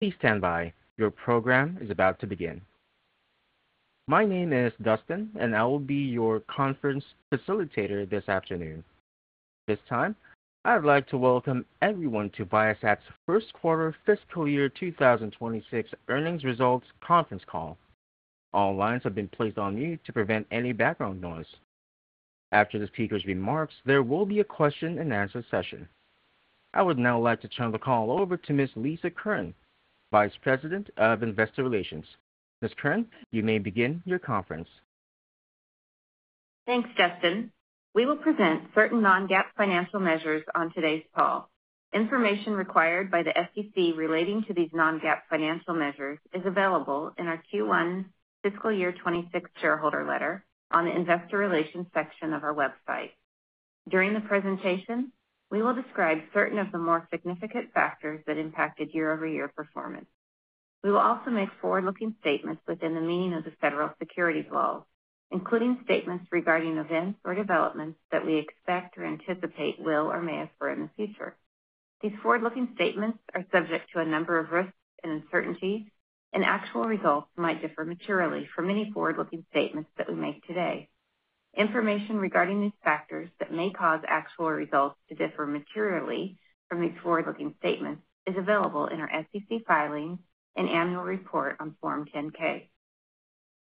Please stand by. Your program is about to begin. My name is Dustin, and I will be your conference facilitator this afternoon. At this time, I'd like to Welcome Everyone to Viasat's First Quarter Fiscal Year 2026 Earnings Results Conference Call. All lines have been placed on mute to prevent any background noise. After the speaker's remarks, there will be a question and answer session. I would now like to turn the call over to Ms. Lisa Curran, Vice President of Investor Relations. Ms. Curran, you may begin your conference. Thanks, Dustin. We will present certain non-GAAP financial measures on today's call. Information required by the SEC relating to these non-GAAP financial measures is available in our Q1 fiscal year 2026 shareholder letter on the Investor Relations section of our website. During the presentation, we will describe certain of the more significant factors that impacted year-over-year performance. We will also make forward-looking statements within the meaning of the Federal Securities Law, including statements regarding events or developments that we expect or anticipate will or may occur in the future. These forward-looking statements are subject to a number of risks and uncertainties, and actual results might differ materially from any forward-looking statements that we make today. Information regarding these factors that may cause actual results to differ materially from these forward-looking statements is available in our SEC filings and annual report on Form 10-K.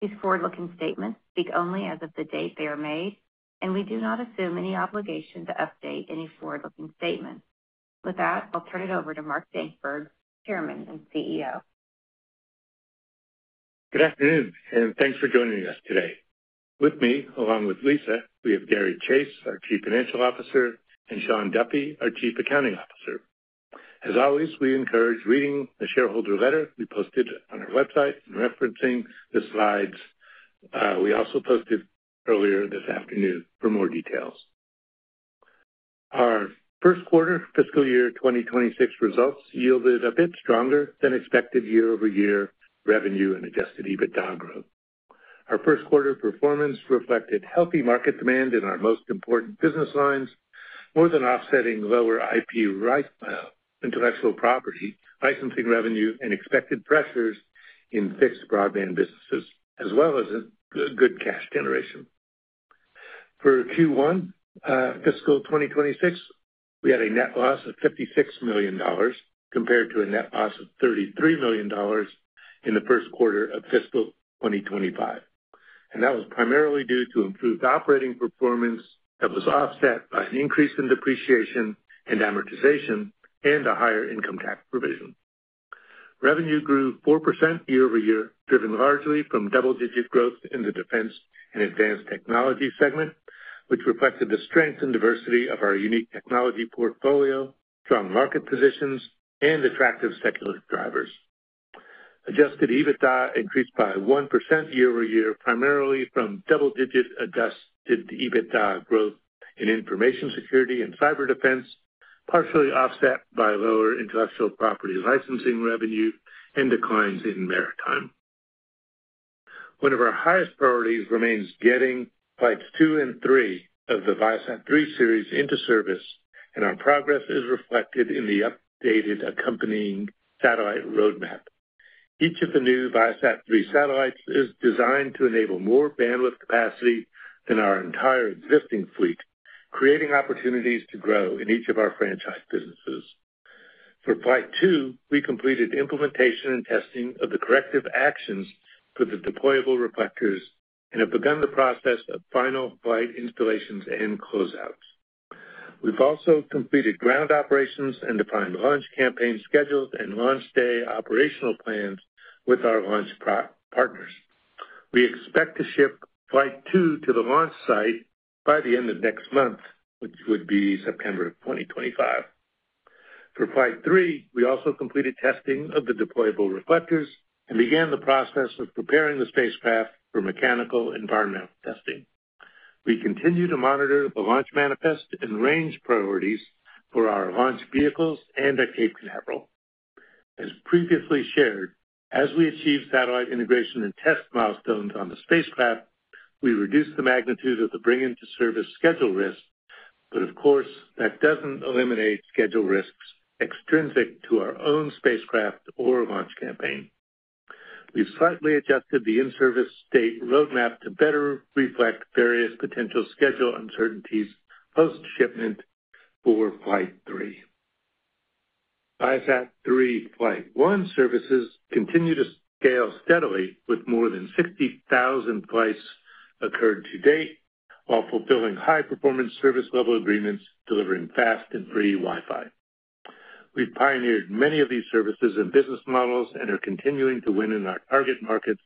These forward-looking statements speak only as of the date they are made, and we do not assume any obligation to update any forward-looking statements. With that, I'll turn it over to Mark Dankberg, Chairman and CEO. Good afternoon, and thanks for joining us today. With me, along with Lisa, we have Gary Chase, our Chief Financial Officer, and Shawn Duffy, our Chief Accounting Officer. As always, we encourage reading the shareholder letter we posted on our website and referencing the slides we also posted earlier this afternoon for more details. Our first quarter fiscal year 2026 results yielded a bit stronger than expected year-over-year revenue and adjusted EBITDA growth. Our first quarter performance reflected healthy market demand in our most important business lines, more than offsetting lower IP, right, intellectual property, licensing revenue, and expected pressures in fixed broadband businesses, as well as good cash generation. For Q1 fiscal 2026, we had a net loss of $56 million compared to a net loss of $33 million in the first quarter of fiscal 2025. That was primarily due to improved operating performance that was offset by an increase in depreciation and amortization and a higher income tax provision. Revenue grew 4% year-over-year, driven largely from double-digit growth in the defense and advanced technology segment, which reflected the strength and diversity of our unique technology portfolio, strong market positions, and attractive secular drivers. Adjusted EBITDA increased by 1% year-over-year, primarily from double-digit adjusted EBITDA growth in information security and cyber defense, partially offset by lower intellectual property licensing revenue and declines in maritime. One of our highest priorities remains getting Pipes two and three of the Viasat-3 series into service, and our progress is reflected in the updated accompanying satellite roadmap. Each of the new Viasat-3 satellites is designed to enable more bandwidth capacity than our entire existing fleet, creating opportunities to grow in each of our franchise businesses. For Pipe two, we completed implementation and testing of the corrective actions for the deployable reflectors and have begun the process of final flight installations and closeouts. We've also completed ground operations and defined launch campaign schedules and launch day operational plans with our launch partners. We expect to ship Flight 2 to the launch site by the end of next month, which would be September 2025. For Flight 3, we also completed testing of the deployable reflectors and began the process of preparing the spacecraft for mechanical environmental testing. We continue to monitor the launch manifest and range priorities for our launch vehicles at Cape Canaveral. As previously shared, as we achieve satellite integration and test milestones on the spacecraft, we reduce the magnitude of the bringing to service schedule risk, but of course, that doesn't eliminate schedule risks extrinsic to our own spacecraft or launch campaign. We've slightly adjusted the in-service state roadmap to better reflect various potential schedule uncertainties post-shipment for Flight 3. Viasat-3 Flight 1 services continue to scale steadily with more than 50,000 flights occurred to date, while fulfilling high-performance service level agreements delivering fast and free Wi-Fi. We've pioneered many of these services and business models and are continuing to win in our target markets,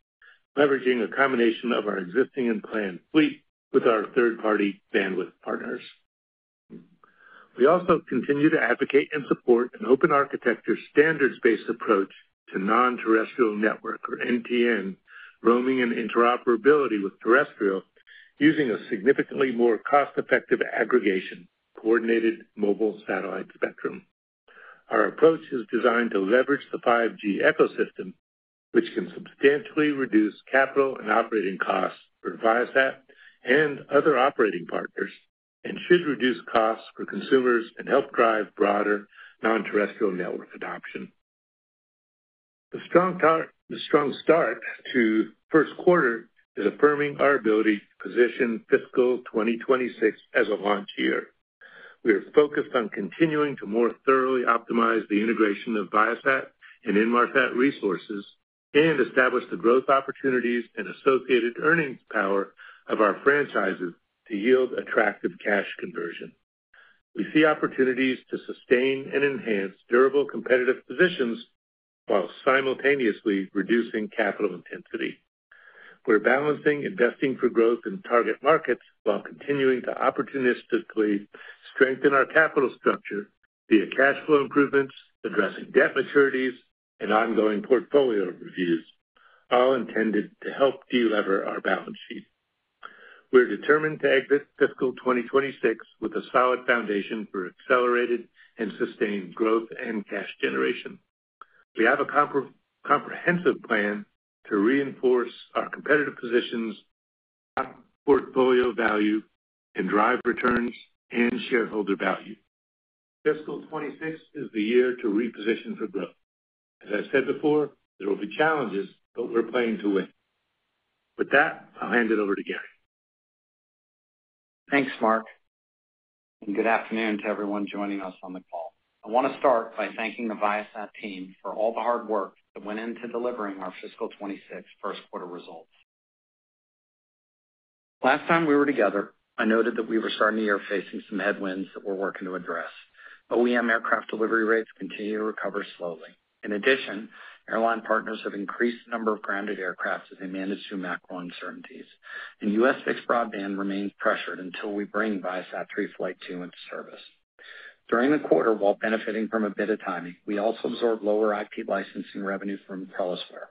leveraging a combination of our existing and planned fleet with our third-party bandwidth partners. We also continue to advocate and support an open architecture standards-based approach to non-terrestrial network, or NTN, roaming and interoperability with terrestrial, using a significantly more cost-effective aggregation coordinated mobile satellite spectrum. Our approach is designed to leverage the 5G ecosystem, which can substantially reduce capital and operating costs for Viasat and other operating partners and should reduce costs for consumers and help drive broader non-terrestrial network adoption. The strong start to the first quarter is affirming our ability to position fiscal 2026 as a launch year. We are focused on continuing to more thoroughly optimize the integration of Viasat and NVRF at resources and establish the growth opportunities and associated earnings power of our franchises to yield attractive cash conversion. We see opportunities to sustain and enhance durable competitive positions while simultaneously reducing capital intensity. We're balancing investing for growth in target markets while continuing to opportunistically strengthen our capital structure via cash flow improvements, addressing debt maturities, and ongoing portfolio reviews, all intended to help delever our balance sheet. We're determined to exit fiscal 2026 with a solid foundation for accelerated and sustained growth and cash generation. We have a comprehensive plan to reinforce our competitive positions, our portfolio value, and drive returns and shareholder value. Fiscal 2026 is the year to reposition for growth. As I said before, there will be challenges, but we're playing to win. With that, I'll hand it over to Gary. Thanks, Mark, and good afternoon to everyone joining us on the call. I want to start by thanking the Viasat team for all the hard work that went into delivering our fiscal 2026 first quarter results. Last time we were together, I noted that we were starting the year facing some headwinds that we're working to address. OEM aircraft delivery rates continue to recover slowly. In addition, airline partners have increased the number of grounded aircraft that they manage through map growing uncertainties, and U.S. fixed broadband remains pressured until we bring Viasat-3 Flight 2 into service. During the quarter, while benefiting from a bit of timing, we also absorbed lower IP licensing revenue from elsewhere,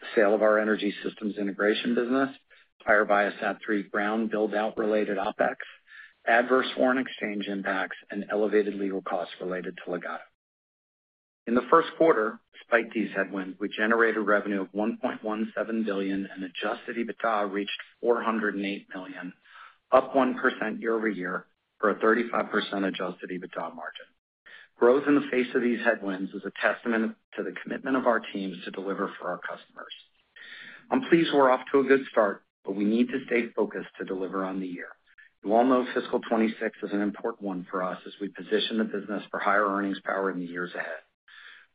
the sale of our energy systems integration business, higher Viasat-3 ground build-out related OpEx, adverse foreign exchange index, and elevated legal costs related to Legato. In the first quarter, despite these headwinds, we generated revenue of $1.17 billion and adjusted EBITDA reached $408 million, up 1% year-over-year for a 35% adjusted EBITDA margin. Growth in the face of these headwinds is a testament to the commitment of our teams to deliver for our customers. I'm pleased we're off to a good start, but we need to stay focused to deliver on the year. You all know fiscal 2026 is an important one for us as we position the business for higher earnings power in the years ahead.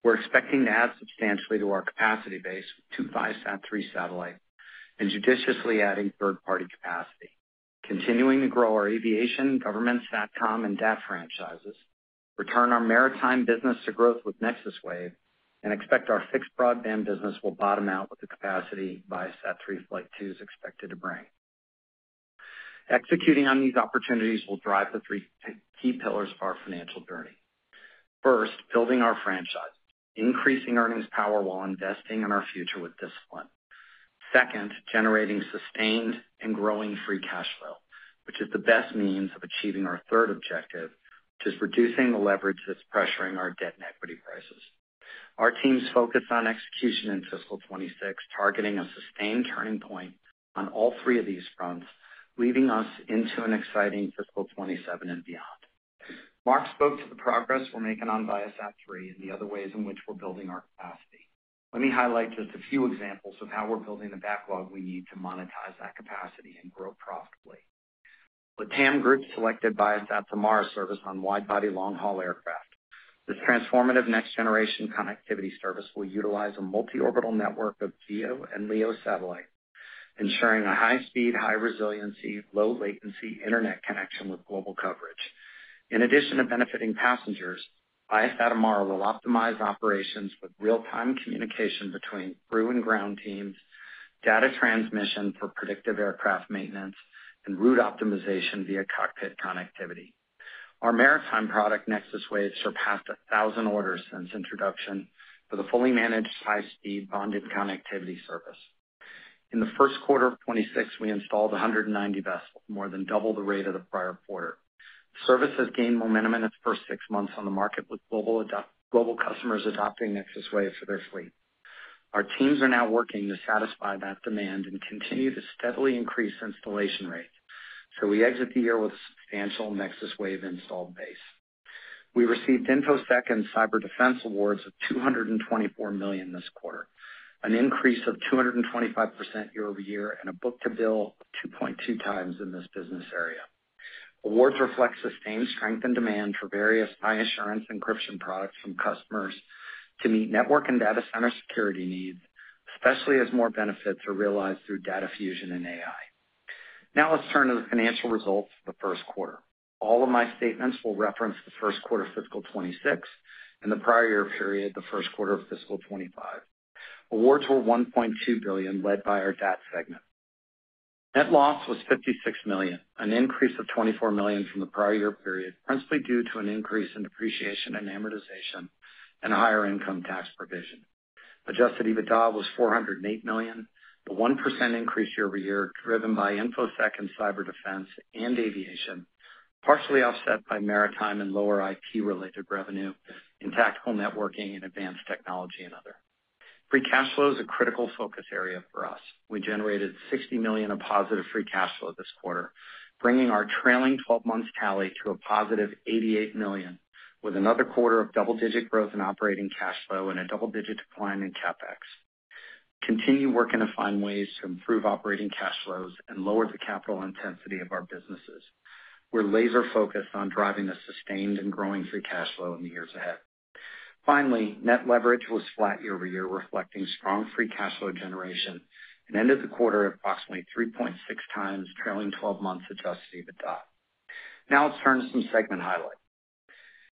We're expecting to add substantially to our capacity base to Viasat-3 satellite and judiciously adding third-party capacity, continuing to grow our aviation, government Satcom, and data franchises, return our maritime business to growth with Nexus Wave, and expect our fixed broadband business will bottom out with the capacity Viasat-3 Flight 2 is expected to bring. Executing on these opportunities will drive the three key pillars of our financial journey. First, building our franchise, increasing earnings power while investing in our future with discipline. Second, generating sustained and growing free cash flow, which is the best means of achieving our third objective, which is reducing the leverage that's pressuring our debt and equity prices. Our team's focus on execution in fiscal 2026, targeting a sustained turning point on all three of these fronts, leading us into an exciting fiscal 2027 and beyond. Mark spoke to the progress we're making on Viasat-3 and the other ways in which we're building our capacity. Let me highlight just a few examples of how we're building the backlog we need to monetize that capacity and grow profitably. Latam Group selected Viasat to market service on widebody long-haul aircraft. This transformative next-generation connectivity service will utilize a multi-orbital network of VIO and LEO satellites, ensuring a high-speed, high-resiliency, low-latency internet connection with global coverage. In addition to benefiting passengers, Viasat to market will optimize operations with real-time communication between crew and ground teams, data transmission for predictive aircraft maintenance, and route optimization via cockpit connectivity. Our maritime product, Nexus Wave, surpassed 1,000 orders since introduction with a fully managed high-speed bonded connectivity service. In the first quarter of 2026, we installed 190 vessels, more than double the rate of the prior quarter. Service has gained momentum in its first six months on the market with global customers adopting Nexus Wave for their fleet. Our teams are now working to satisfy that demand and continue to steadily increase installation rates. We exit the year with a substantial Nexus Wave installed base. We received InfoSec and Cyber Defense awards of $224 million this quarter, an increase of 225% year-over-year, and a book-to-bill of 2.2 times in this business area. Awards reflect sustained strength and demand for various high-assurance encryption products from customers to meet network and data center security needs, especially as more benefits are realized through data fusion and AI integration. Now let's turn to the financial results of the first quarter. All of my statements will reference the first quarter of fiscal 2026 and the prior year period, the first quarter of fiscal 2025. Awards were $1.2 billion, led by our DAT segment. Net loss was $56 million, an increase of $24 million from the prior year period, principally due to an increase in depreciation and amortization and a higher income tax provision. Adjusted EBITDA was $408 million, the 1% increase year-over-year, driven by InfoSec and Cyber Defense and aviation, partially offset by maritime and lower IP-related revenue in tactical networking and advanced technology and other. Free cash flow is a critical focus area for us. We generated $60 million of positive free cash flow this quarter, bringing our trailing 12 months tally to a positive $88 million, with another quarter of double-digit growth in operating cash flow and a double-digit decline in CapEx. We continue working to find ways to improve operating cash flows and lower the capital intensity of our businesses. We're laser-focused on driving a sustained and growing free cash flow in the years ahead. Finally, net leverage was flat year-over-year, reflecting strong free cash flow generation and ended the quarter at approximately 3.6 times trailing 12 months adjusted EBITDA. Now let's turn to some segment highlights.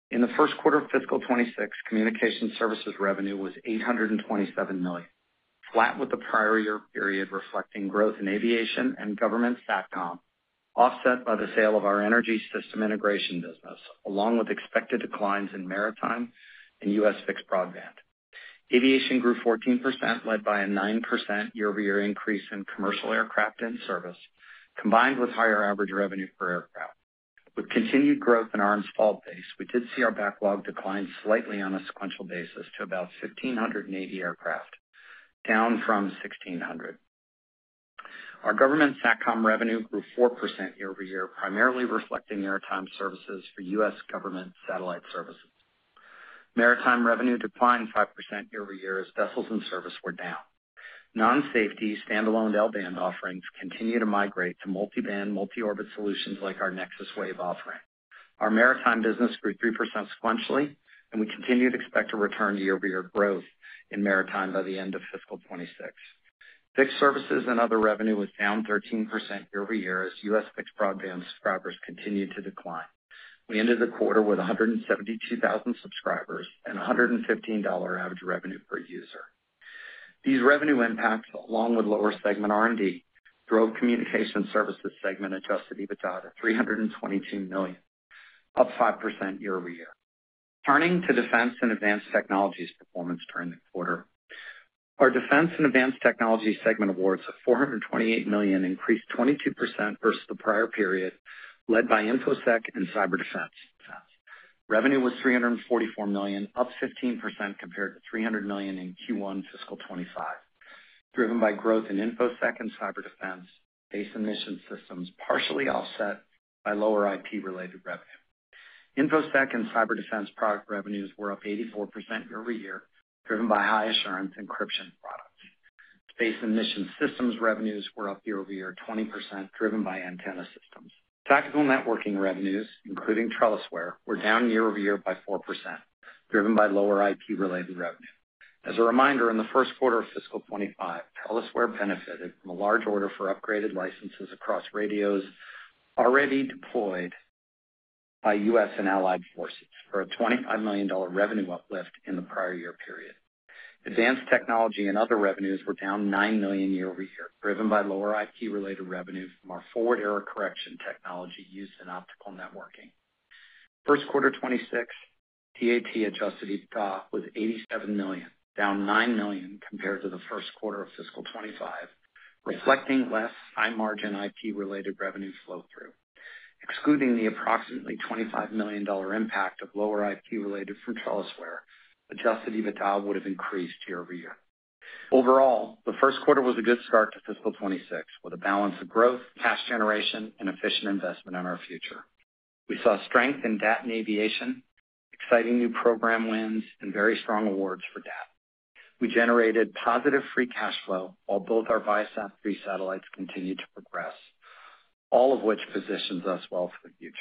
In the first quarter of fiscal 2026, communication services revenue was $827 million, flat with the prior year period, reflecting growth in aviation and government Satcom, offset by the sale of our energy system integration business, along with expected declines in maritime and U.S. fixed broadband. Aviation grew 14%, led by a 9% year-over-year increase in commercial aircraft in service, combined with higher average revenue per aircraft. With continued growth in our installed base, we did see our backlog decline slightly on a sequential basis to about 1,580 aircraft, down from 1,600. Our government Satcom revenue grew 4% year-over-year, primarily reflecting maritime services for U.S. government satellite services. Maritime revenue declined 5% year-over-year as vessels in service were down. Non-safety standalone L-band offerings continue to migrate to multi-band, multi-orbit solutions like our Nexus Wave offering. Our maritime business grew 3% sequentially, and we continue to expect a return to year-over-year growth in maritime by the end of fiscal 2026. Fixed services and other revenue was down 13% year-over-year as U.S. fixed broadband subscribers continued to decline. We ended the quarter with 172,000 subscribers and $115 average revenue per user. These revenue impacts, along with lower segment R&D, drove communication services segment adjusted EBITDA to $322 million, up 5% year-over-year. Turning to defense and advanced technologies performance during the quarter, our defense and advanced technology segment awards of $428 million increased 22% versus the prior period, led by InfoSec and cyber defense. Revenue was $344 million, up 15% compared to $300 million in Q1 fiscal 2025, driven by growth in InfoSec and cyber defense, base emission systems, partially offset by lower IP-related revenue. InfoSec and cyber defense product revenues were up 84% year-over-year, driven by high-assurance encryption products. Space and mission systems revenues were up year-over-year 20%, driven by antenna systems. Tactical networking revenues, including Trellisware, were down year-over-year by 4%, driven by lower IP-related revenue. As a reminder, in the first quarter of fiscal 2025, Trellisware benefited from a large order for upgraded licenses across radios already deployed by U.S. and allied forces for a $25 million revenue uplift in the prior year period. Advanced technology and other revenues were down $9 million year-over-year, driven by lower IP-related revenue from our forward error correction technology use in optical networking. First quarter 2026, TAP adjusted EBITDA was $87 million, down $9 million compared to the first quarter of fiscal 2025, reflecting less high-margin IP-related revenue flow-through. Excluding the approximately $25 million impact of lower IP-related from Trellisware, adjusted EBITDA would have increased year-over-year. Overall, the first quarter was a good start to fiscal 2026 with a balance of growth, cash generation, and efficient investment in our future. We saw strength in DAT and aviation, exciting new program wins, and very strong awards for DAT. We generated positive free cash flow while both our Viasat-3 satellites continued to progress, all of which positions us well for the future.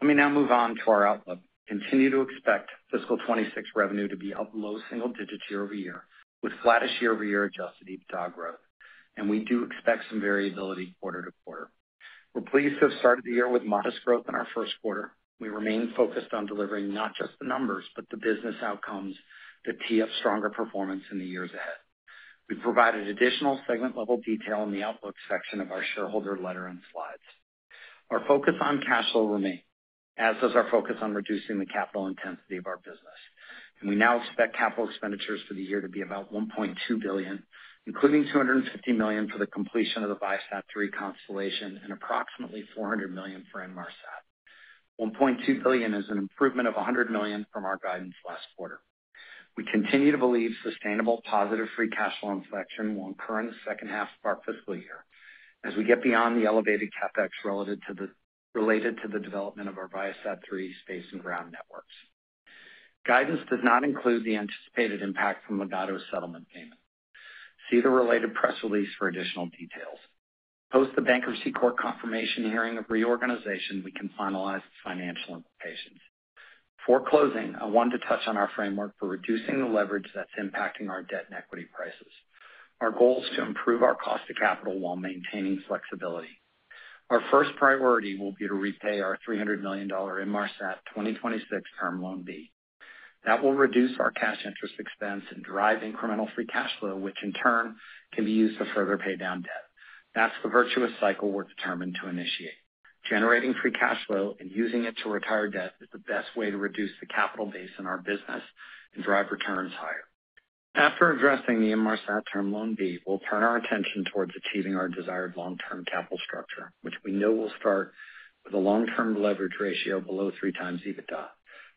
Let me now move on to our outlook. Continue to expect fiscal 2026 revenue to be up low single digits year-over-year, with flattish year-over-year adjusted EBITDA growth, and we do expect some variability quarter to quarter. We're pleased to have started the year with modest growth in our first quarter. We remain focused on delivering not just the numbers, but the business outcomes that tee up stronger performance in the years ahead. We provided additional segment-level detail in the outlook section of our shareholder letter and slides. Our focus on cash flow remains, as does our focus on reducing the capital intensity of our business. We now expect capital expenditures for the year to be about $1.2 billion, including $250 million for the completion of the Viasat-3 constellation and approximately $400 million for NVRSAT. $1.2 billion is an improvement of $100 million from our guidance last quarter. We continue to believe sustainable positive free cash flow inflection will occur in the second half of our fiscal year as we get beyond the elevated CapEx related to the development of our Viasat-3 space and ground networks. Guidance does not include the anticipated impact from Legato settlement payment. See the related press release for additional details. Post the bankruptcy court confirmation hearing of reorganization, we can finalize the financial implications. Before closing, I want to touch on our framework for reducing the leverage that's impacting our debt and equity prices. Our goal is to improve our cost of capital while maintaining flexibility. Our first priority will be to repay our $300 million NVRSAT 2026 Term Loan B. That will reduce our cash interest expense and drive incremental free cash flow, which in turn can be used to further pay down debt. That's the virtuous cycle we're determined to initiate. Generating free cash flow and using it to retire debt is the best way to reduce the capital base in our business and drive returns higher. After addressing the NVRSAT Term Loan B, we'll turn our attention towards achieving our desired long-term capital structure, which we know will start with a long-term leverage ratio below 3 times EBITDA.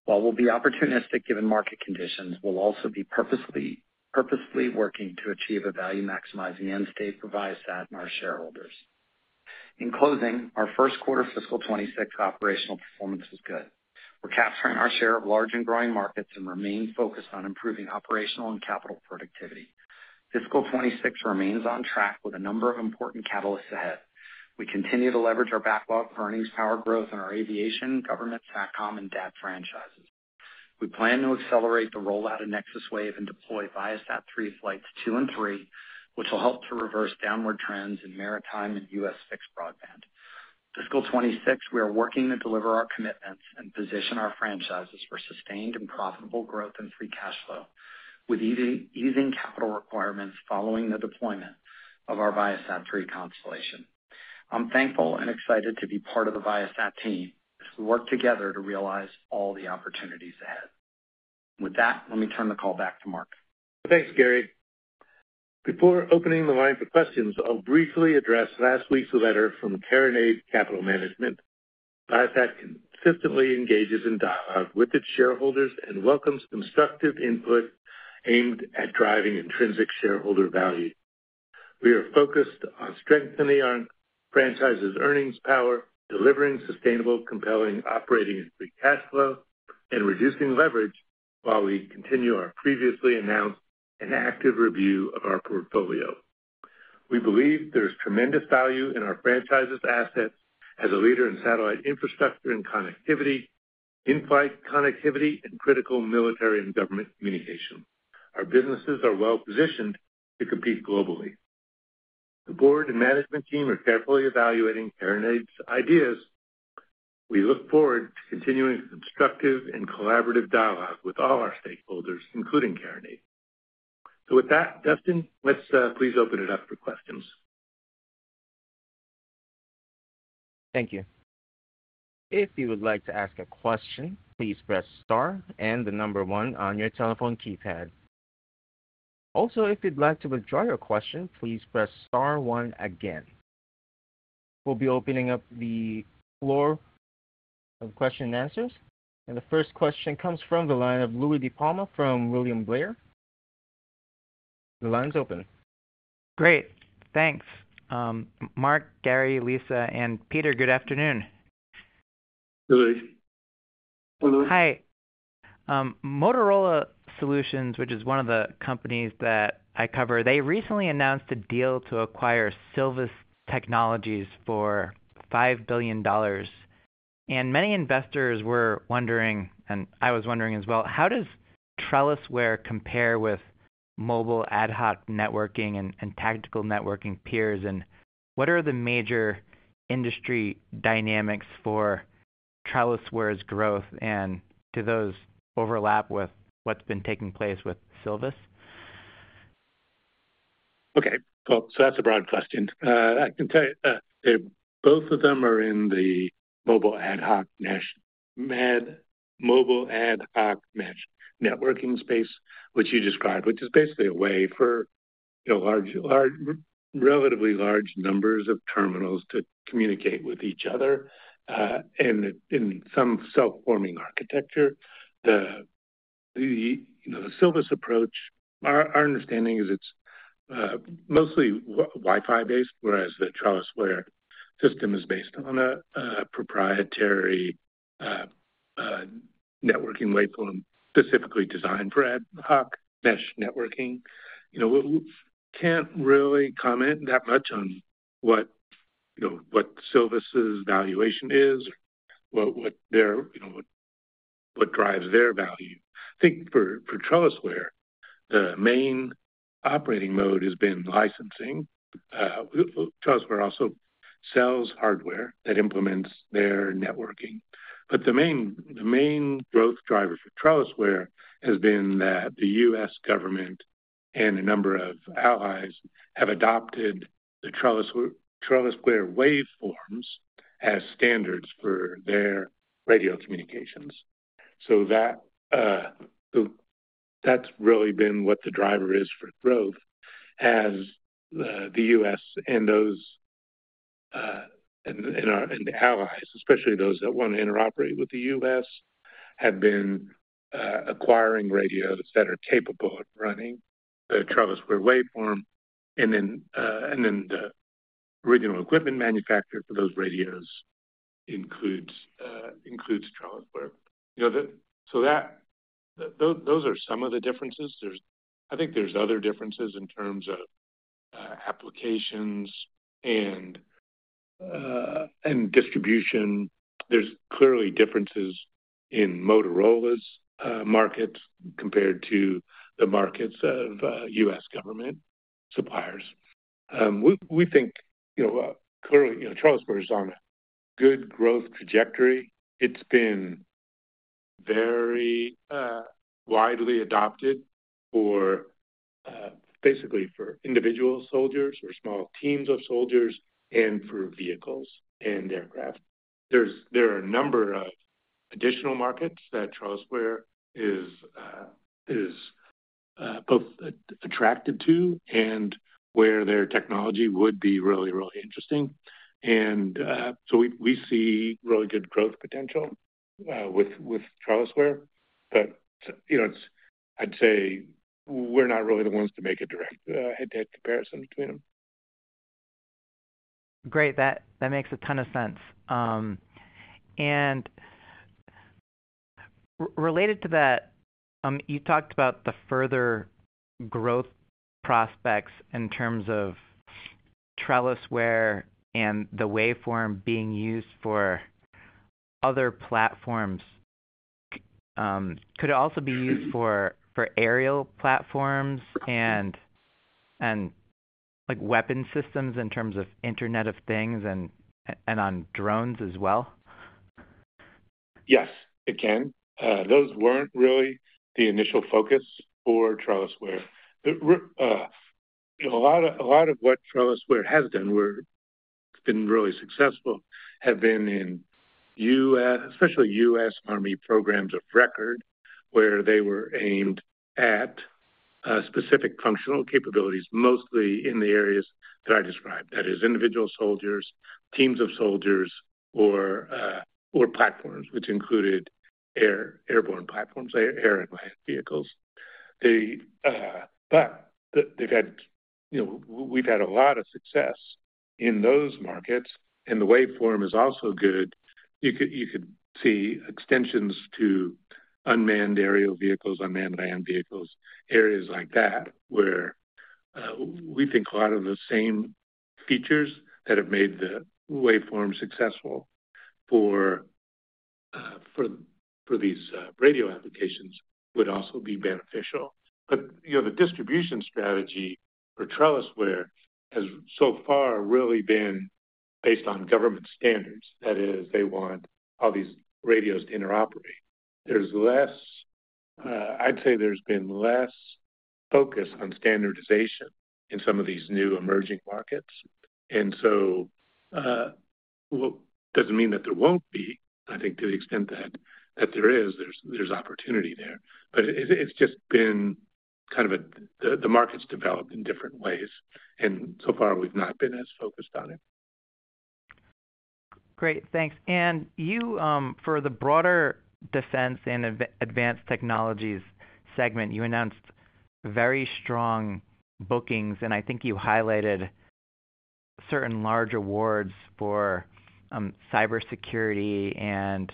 While we'll be opportunistic given market conditions, we'll also be purposefully working to achieve a value-maximizing end state for Viasat and our shareholders. In closing, our first quarter fiscal 2026 operational performance was good. We're capturing our share of large and growing markets and remain focused on improving operational and capital productivity. Fiscal 2026 remains on track with a number of important catalysts ahead. We continue to leverage our backlog earnings power growth in our aviation, government Satcom, and data franchises. We plan to accelerate the rollout of Nexus Wave and deploy Viasat-3 Flights 2 and 3, which will help to reverse downward trends in maritime and U.S. fixed broadband. In fiscal 2026, we are working to deliver our commitments and position our franchises for sustained and profitable growth and free cash flow, with easing capital requirements following the deployment of our Viasat-3 constellation. I'm thankful and excited to be part of the Viasat team as we work together to realize all the opportunities ahead. With that, let me turn the call back to Mark. Thanks, Gary. Before opening the line for questions, I'll briefly address last week's letter from Karenade Capital Management. Viasat consistently engages in dialogue with its shareholders and welcomes constructive input aimed at driving intrinsic shareholder value. We are focused on strengthening our franchise's earnings power, delivering sustainable, compelling operating and free cash flow, and reducing leverage while we continue our previously announced and active review of our portfolio. We believe there's tremendous value in our franchise's assets as a leader in satellite infrastructure and connectivity, in-flight connectivity, and critical military and government communication. Our businesses are well positioned to compete globally. The Board and management team are carefully evaluating Karenade's ideas. We look forward to continuing constructive and collaborative dialogue with all our stakeholders, including Karenade. Dustin, let's please open it up for questions. Thank you. If you would like to ask a question, please press star and the number one on your telephone keypad. Also, if you'd like to withdraw your question, please press star one again. We'll be opening up the floor for question and answers. The first question comes from the line of Louie DiPalma from William Blair. The line's open. Great, thanks. Mark, Gary, Lisa, and Peter, good afternoon. Hi, Louis. Hi. Motorola Solutions, which is one of the companies that I cover, recently announced a deal to acquire Silvus Technologies for $5 billion. Many investors were wondering, and I was wondering as well, how does Trellisware compare with mobile ad hoc networking and tactical networking peers? What are the major industry dynamics for Trellisware's growth? Do those overlap with what's been taking place with Silvus? Okay, cool. That's a broad question. I can tell you that both of them are in the mobile ad hoc mesh networking space, which you described, which is basically a way for relatively large numbers of terminals to communicate with each other in some self-forming architecture. The Silvus approach, our understanding is it's mostly Wi-Fi based, whereas the Trellisware system is based on a proprietary networking wafer specifically designed for ad hoc mesh networking. We can't really comment that much on what Silvus's valuation is or what drives their value. I think for Trellisware, the main operating mode has been licensing. Trellisware also sells hardware that implements their networking, but the main growth driver for Trellisware has been that the U.S. government and a number of allies have adopted the Trellisware waveforms as standards for their radio communications. That's really been what the driver is for growth, as the U.S. and our allies, especially those that want to interoperate with the U.S., have been acquiring radios that are capable of running the Trellisware waveform. The original equipment manufacturer for those radios includes Trellisware. Those are some of the differences. I think there's other differences in terms of applications and distribution. There are clearly differences in Motorola's markets compared to the markets of U.S. government suppliers. We think Trellisware is on a good growth trajectory. It's been very widely adopted for individual soldiers or small teams of soldiers and for vehicles and aircraft. There are a number of additional markets that Trellisware is both attracted to and where their technology would be really, really interesting. We see really good growth potential with Trellisware. I'd say we're not really the ones to make a direct head-to-head comparison between them. Great, that makes a ton of sense. Related to that, you talked about the further growth prospects in terms of Trellisware and the waveform being used for other platforms. Could it also be used for aerial platforms and weapon systems in terms of Internet of Things and on drones as well? Yes, it can. Those weren't really the initial focus for Trellisware. A lot of what Trellisware has done, it's been really successful, have been in U.S., especially U.S. Army programs of record where they were aimed at specific functional capabilities, mostly in the areas that I described. That is individual soldiers, teams of soldiers, or platforms, which included airborne platforms, air and land vehicles. We've had a lot of success in those markets, and the waveform is also good. You could see extensions to unmanned aerial vehicles, unmanned land vehicles, areas like that where we think a lot of the same features that have made the waveform successful for these radio applications would also be beneficial. The distribution strategy for Trellisware has so far really been based on government standards. That is, they want all these radios to interoperate. There's been less focus on standardization in some of these new emerging markets. It doesn't mean that there won't be. I think to the extent that there is, there's opportunity there. It's just been kind of the market's developed in different ways, and so far we've not been as focused on it. Thank you. For the broader defense and advanced technologies segment, you announced very strong bookings, and I think you highlighted certain large awards for cybersecurity and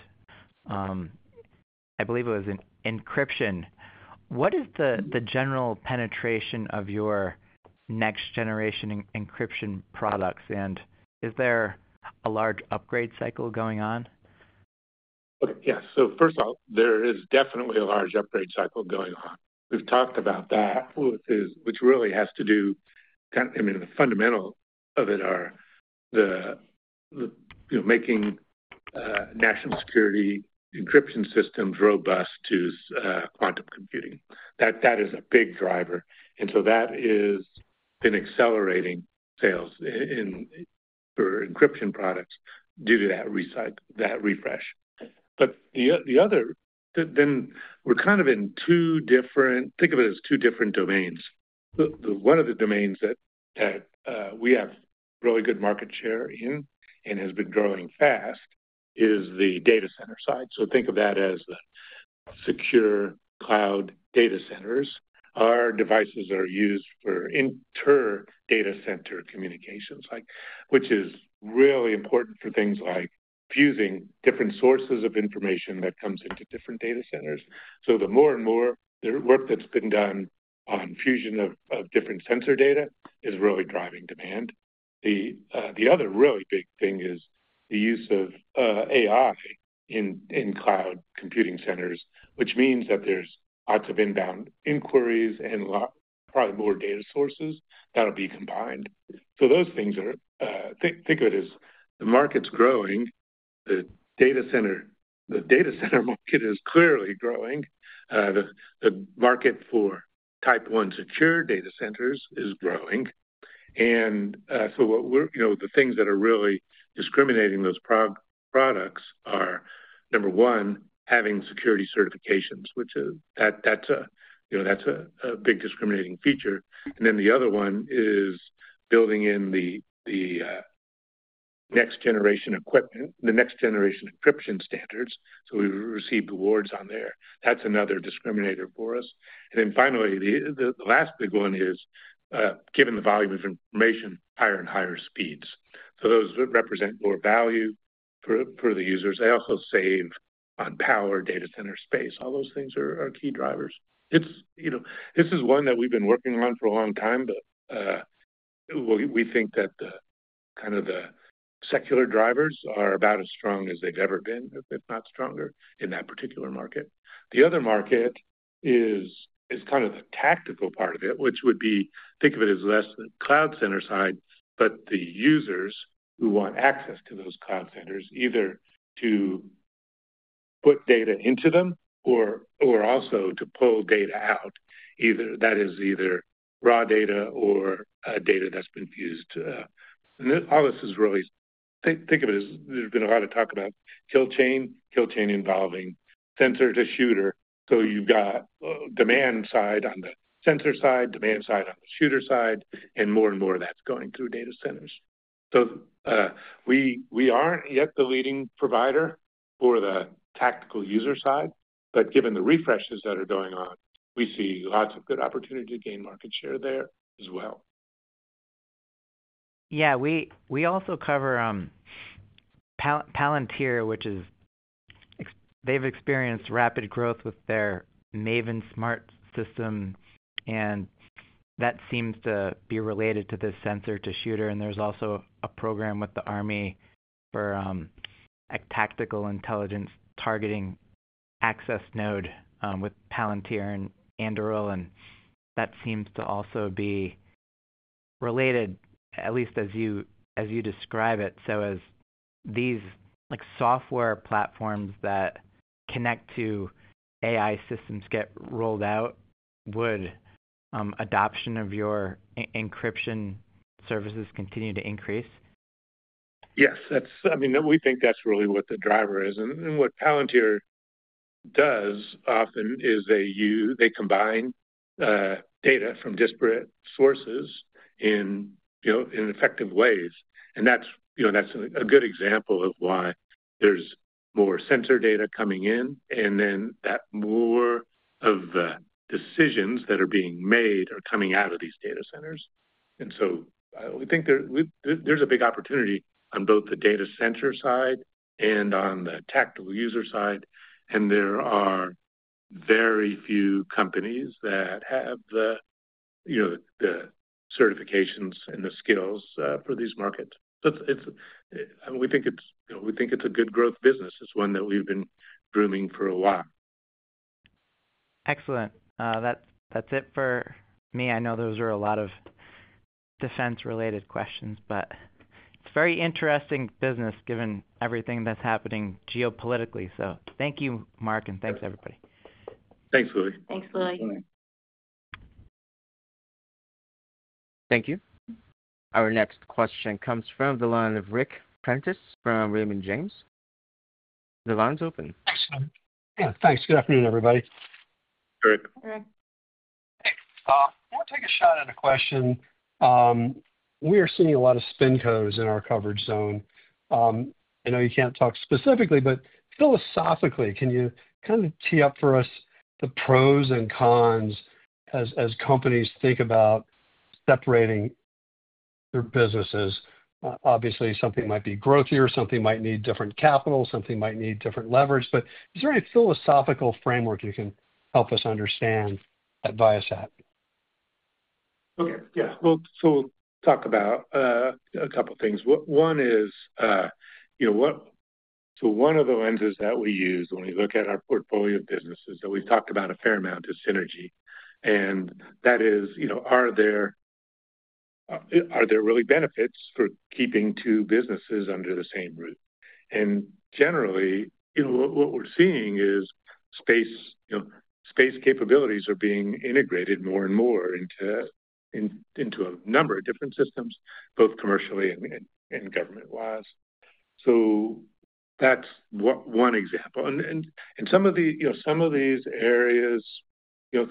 I believe it was in encryption. What is the general penetration of your next-generation encryption products, and is there a large upgrade cycle going on? Okay, yeah. First off, there is definitely a large upgrade cycle going on. We've talked about that, which really has to do, kind of, I mean, the fundamental of it are making national security encryption systems robust to quantum computing. That is a big driver. That has been accelerating sales for encryption products due to that refresh. We're kind of in two different, think of it as two different domains. One of the domains that we have really good market share in and has been growing fast is the data center side. Think of that as the secure cloud data centers. Our devices are used for inter-data center communications, which is really important for things like fusing different sources of information that come into different data centers. The more and more work that's been done on fusion of different sensor data is really driving demand. The other really big thing is the use of AI in cloud computing centers, which means that there's lots of inbound inquiries and probably more data sources that'll be combined. Those things are, think of it as the market's growing. The data center market is clearly growing. The market for type one secure data centers is growing. The things that are really discriminating those products are, number one, having security certifications, which is a big discriminating feature. The other one is building in the next generation equipment, the next generation encryption standards. We received awards on there. That's another discriminator for us. Finally, the last big one is given the volume of information, higher and higher speeds. Those represent more value for the users. They also save on power, data center space. All those things are key drivers. This is one that we've been working on for a long time, but we think that the kind of the secular drivers are about as strong as they've ever been, if not stronger, in that particular market. The other market is kind of the tactical part of it, which would be, think of it as less the cloud center side, but the users who want access to those cloud centers, either to put data into them or also to pull data out. Either that is either raw data or data that's been used. All this is really, think of it as there's been a lot of talk about kill chain, kill chain involving sensor to shooter. You've got demand side on the sensor side, demand side on the shooter side, and more and more of that's going through data centers. We aren't yet the leading provider for the tactical user side, but given the refreshes that are going on, we see lots of good opportunity to gain market share there as well. Yeah, we also cover Palantir, which is, they've experienced rapid growth with their Maven Smart system, and that seems to be related to this sensor to shooter. There's also a program with the Army for tactical intelligence targeting access node with Palantir and Anduril, and that seems to also be related, at least as you describe it. As these software platforms that connect to AI systems get rolled out, would adoption of your encryption services continue to increase? Yes, I mean, we think that's really what the driver is. What Palantir does often is they combine data from disparate sources in effective ways. That's a good example of why there's more sensor data coming in, and then more of the decisions that are being made are coming out of these data centers. We think there's a big opportunity on both the data center side and on the tactical user side. There are very few companies that have the certifications and the skills for these markets. We think it's a good growth business. It's one that we've been dreaming for a while. Excellent. That's it for me. I know those are a lot of defense-related questions, but it's a very interesting business given everything that's happening geopolitically. Thank you, Mark, and thanks everybody. Thanks, Louis. Thanks, Louis. Thank you. Our next question comes from the line of Ric Prentiss from Raymond James. The line's open. Thanks. Good afternoon, everybody. Rick. I want to take a shot at a question. We are seeing a lot of spin codes in our coverage zone. I know you can't talk specifically, but philosophically, can you kind of tee up for us the pros and cons as companies think about separating their businesses? Obviously, something might be growthier, something might need different capital, something might need different leverage. Is there any philosophical framework you can help us understand at Viasat? Okay. We'll talk about a couple of things. One is, you know, one of the lenses that we use when we look at our portfolio of businesses that we've talked about a fair amount is synergy. That is, are there really benefits for keeping two businesses under the same roof? Generally, what we're seeing is space capabilities are being integrated more and more into a number of different systems, both commercially and government-wise. That's one example. In some of these areas,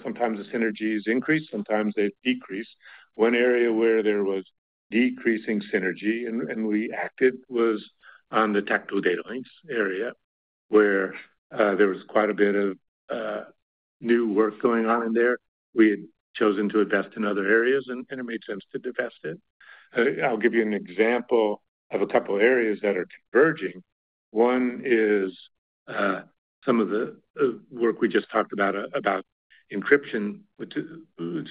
sometimes the synergies increase, sometimes they decrease. One area where there was decreasing synergy and we acted was on the tactical data links area where there was quite a bit of new work going on in there. We had chosen to invest in other areas, and it made sense to divest it. I'll give you an example of a couple of areas that are converging. One is some of the work we just talked about, about encryption, which is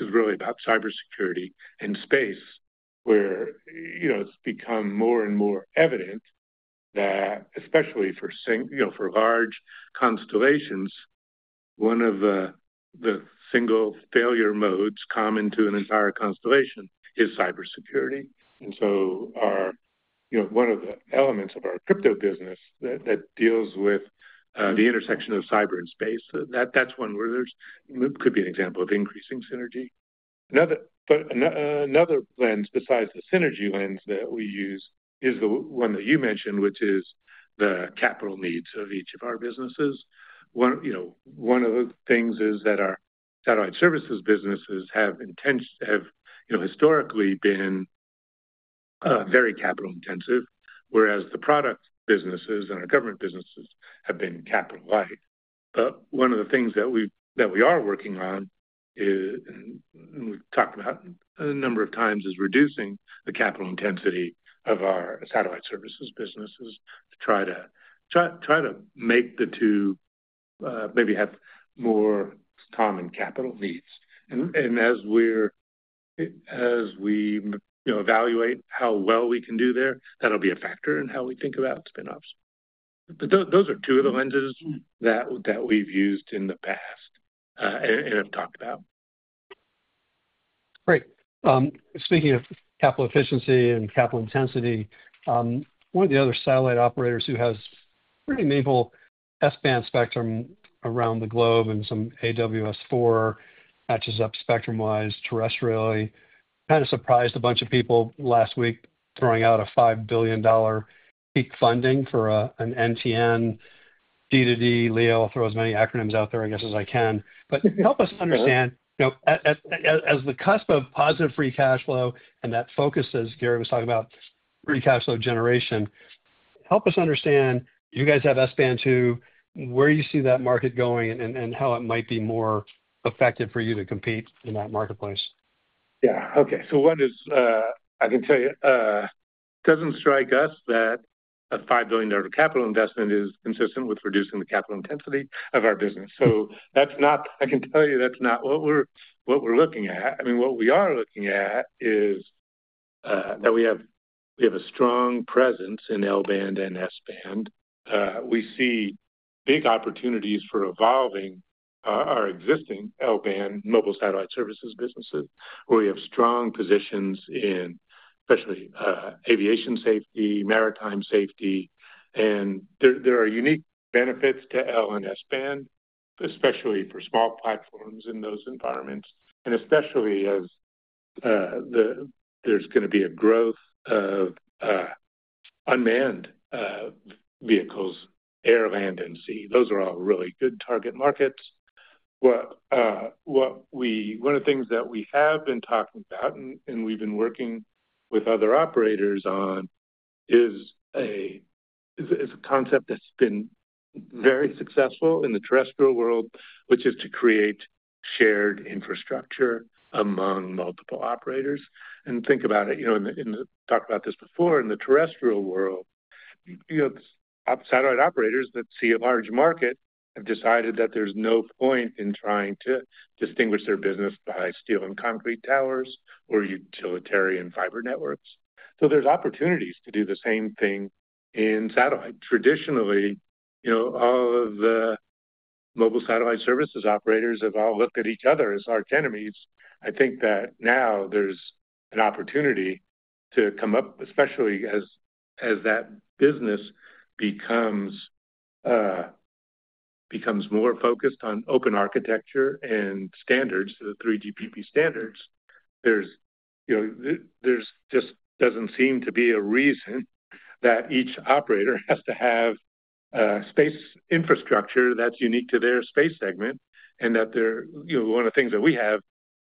really about cybersecurity and space, where it's become more and more evident that especially for large constellations, one of the single failure modes common to an entire constellation is cybersecurity. One of the elements of our crypto business that deals with the intersection of cyber and space, that's one where there could be an example of increasing synergy. Another lens besides the synergy lens that we use is the one that you mentioned, which is the capital needs of each of our businesses. One of the things is that our satellite services businesses have historically been very capital intensive, whereas the product businesses and our government businesses have been capital-light. One of the things that we are working on, and we've talked about a number of times, is reducing the capital intensity of our satellite services businesses to try to make the two maybe have more common capital needs. As we evaluate how well we can do there, that'll be a factor in how we think about spin-offs. Those are two of the lenses that we've used in the past and have talked about. Great. Speaking of capital efficiency and capital intensity, one of the other satellite operators who has pretty amazing S-band spectrum around the globe and some AWS 4 patches up spectrum-wise terrestrially kind of surprised a bunch of people last week throwing out a $5 billion peak funding for an NTN D2D. LEO, I'll throw as many acronyms out there, I guess, as I can. Help us understand, as the cusp of positive free cash flow and that focus, as Gary was talking about, free cash flow generation, help us understand, you guys have S-band too, where you see that market going and how it might be more effective for you to compete in that marketplace. Yeah, okay. One is, I can tell you, it doesn't strike us that a $5 billion capital investment is consistent with reducing the capital intensity of our business. That's not what we're looking at. What we are looking at is that we have a strong presence in L-band and S-band. We see big opportunities for evolving our existing L-band mobile satellite services businesses, where we have strong positions in especially aviation safety and maritime safety. There are unique benefits to L-band and S-band, especially for small platforms in those environments, especially as there's going to be a growth of unmanned vehicles, air and sea. Those are all really good target markets. One of the things that we have been talking about and we've been working with other operators on is a concept that's been very successful in the terrestrial world, which is to create shared infrastructure among multiple operators. Think about it, in the terrestrial world, satellite operators that see a large market have decided that there's no point in trying to distinguish their business by steel and concrete towers or utilitarian fiber networks. There are opportunities to do the same thing in satellite. Traditionally, all of the mobile satellite services operators have all looked at each other as archenemies. I think that now there's an opportunity to come up, especially as that business becomes more focused on open architecture and standards, the 3GPP standards. There just doesn't seem to be a reason that each operator has to have a space infrastructure that's unique to their space segment. One of the things that we have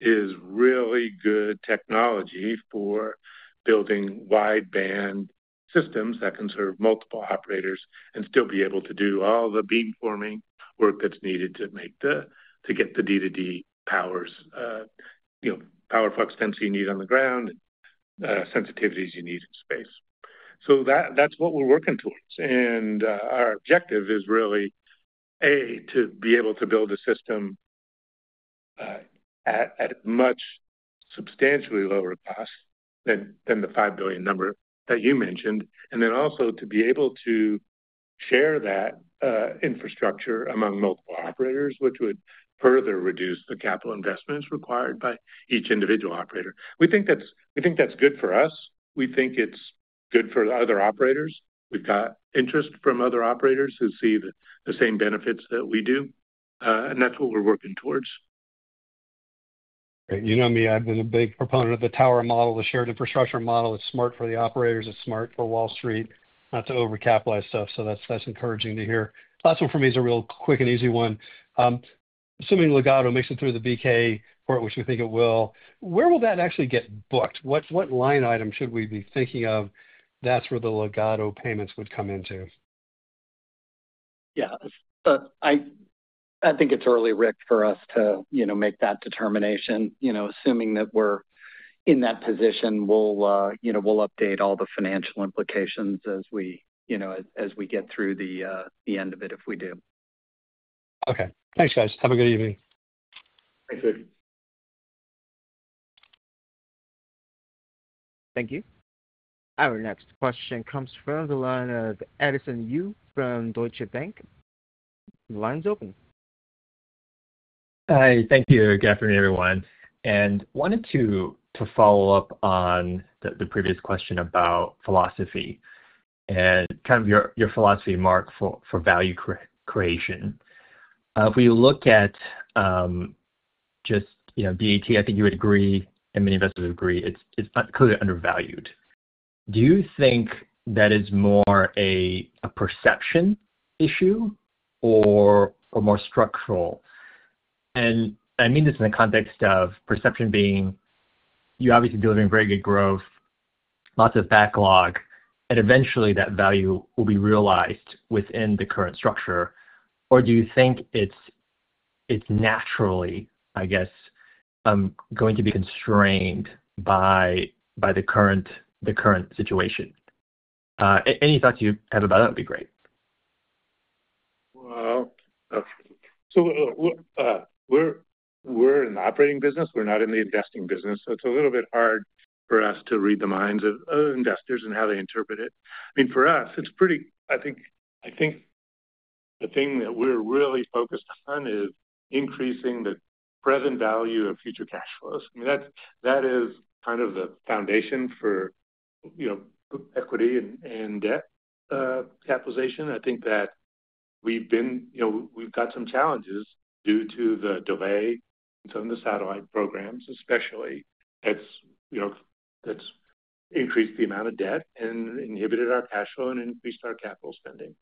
is really good technology for building wideband systems that can serve multiple operators and still be able to do all the beam forming work that's needed to get the D2D power flux density you need on the ground, sensitivities you need in space. That's what we're working towards. Our objective is really, A, to be able to build a system at a much substantially lower cost than the $5 billion number that you mentioned, and also to be able to share that infrastructure among multiple operators, which would further reduce the capital investments required by each individual operator. We think that's good for us. We think it's good for the other operators. We've got interest from other operators who see the same benefits that we do, and that's what we're working towards. You know me, I've been a big proponent of the tower model, the shared infrastructure model. It's smart for the operators. It's smart for Wall Street, not to overcapitalize stuff. That's encouraging to hear. Last one for me is a real quick and easy one. Assuming Legato makes it through the BK port, which we think it will, where will that actually get booked? What line item should we be thinking of that's where the Legato payments would come into? Yeah, I think it's early, Rick, for us to make that determination. Assuming that we're in that position, we'll update all the financial implications as we get through the end of it if we do. Okay, thanks, guys. Have a good evening. Thanks, Luke. Thank you. Our next question comes from the line of Edison Yu from Deutsche Bank. The line's open. Hi, thank you. Good afternoon, everyone. I wanted to follow up on the previous question about philosophy and kind of your philosophy, Mark, for value creation. If we look at just Viasat, I think you would agree, and many of us would agree, it's clearly undervalued. Do you think that is more a perception issue or more structural? I mean this in the context of perception being you're obviously delivering very good growth, lots of backlog, and eventually that value will be realized within the current structure. Do you think it's naturally, I guess, going to be constrained by the current situation? Any thoughts you have about that would be great. We're in the operating business. We're not in the investing business. It's a little bit hard for us to read the minds of investors and how they interpret it. For us, the thing that we're really focused on is increasing the present value of future cash flows. That is kind of the foundation for equity and debt capitalization. We've got some challenges due to the delay in some of the satellite programs, especially. That's increased the amount of debt and inhibited our cash flow and increased our capital spending.